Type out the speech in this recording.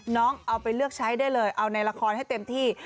น้องเอาไปเลือกใช้ได้เลยเอาในละครให้เต็มที่